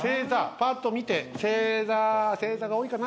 パッと見て「星座」が多いかな。